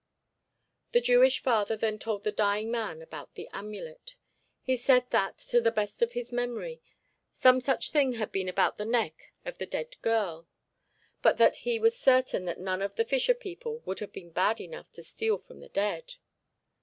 The Jewish father then told the dying man about the amulet. He said that, to the best of his memory, some such thing had been about the neck of the dead girl, but that he was certain that none of the fisher people would have been bad enough to steal from the dead.